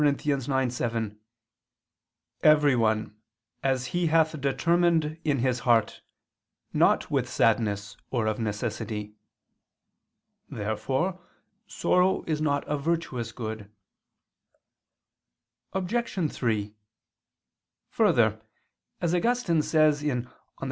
9:7): "Everyone, as he hath determined in his heart, not with sadness, or of necessity." Therefore sorrow is not a virtuous good. Obj. 3: Further, as Augustine says (De Civ.